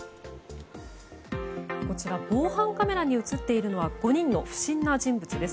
こちら防犯カメラに映っているのは５人の不審な人物です。